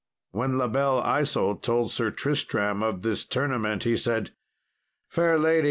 When La Belle Isault told Sir Tristram of this tournament, he said, "Fair lady!